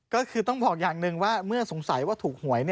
ก็คือต้องบอกอย่างหนึ่งว่าเมื่อสงสัยว่าถูกหวย